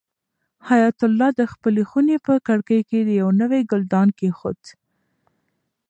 حیات الله د خپلې خونې په کړکۍ کې یو نوی ګلدان کېښود.